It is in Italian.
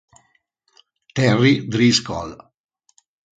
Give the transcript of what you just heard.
Terry Driscoll